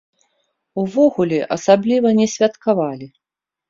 Увогуле асабліва не святкавалі.